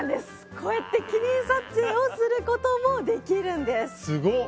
こうやって記念撮影をすることもできるんですすごっ